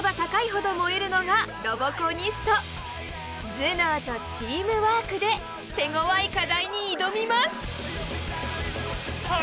頭脳とチームワークで手ごわい課題に挑みます。